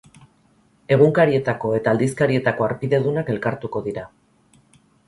Egunkarietako eta aldizkarietako harpidedunak elkartuko dira.